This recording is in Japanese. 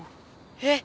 え